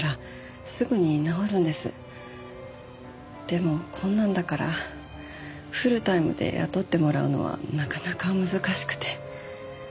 でもこんなんだからフルタイムで雇ってもらうのはなかなか難しくて。